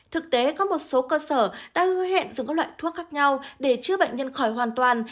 thực tế có một số cơ sở đã hứa hẹn dùng các loại thuốc khác nhau để chữa bệnh nhân khỏi hoàn toàn